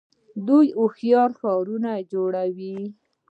دوی هوښیار ښارونه جوړوي.